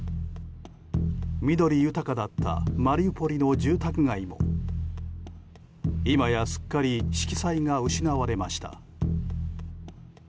緑豊かだったマリウポリの住宅街も今やすっかり色彩が失われました。